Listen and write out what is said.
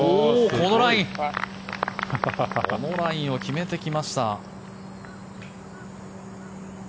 このラインを決めてきました。